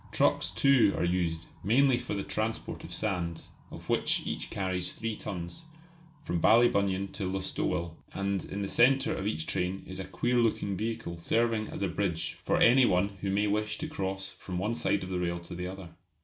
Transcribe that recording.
Trucks too are used, mainly for the transport of sand of which each carries three tons from Ballybunion to Listowel: and in the centre of each train is a queer looking vehicle serving as a bridge for any one who may wish to cross from one side of the rail to the other.